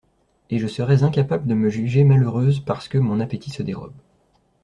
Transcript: Et je serais incapable de me juger malheureuse parce que mon appétit se dérobe.